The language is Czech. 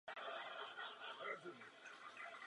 Převody mezi účty se vykonávají prostřednictvím transakcí.